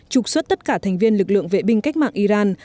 trục xuất tất cả thành viên lực lượng vệ binh cách mạng iran